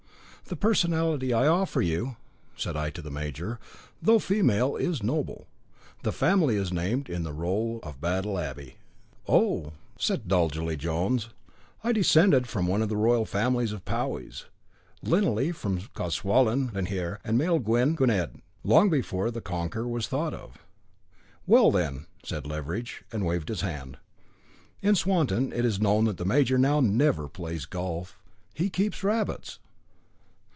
"The personality I offer you," said I to the major, "though female is noble; the family is named in the roll of Battle Abbey." "Oh!" said Dolgelly Jones, "I descend from one of the royal families of Powys, lineally from Caswallon Llanhir and Maelgwn Gwynedd, long before the Conqueror was thought of." "Well, then," said Leveridge, and waved his hand. In Swanton it is known that the major now never plays golf; he keeps rabbits.